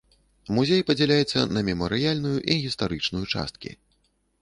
Музей падзяляецца на мемарыяльную і гістарычную часткі.